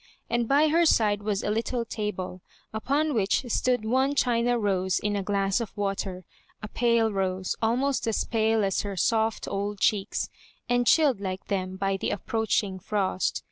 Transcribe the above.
And by her side was a little table, upon which stood one China rose in a glass of water — a pale rose, almost as pale as her soft old cheeks, and chilled like them by the approaching frost.